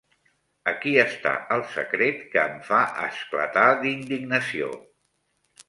Aquí està el secret, que em fa esclatar d'indignació.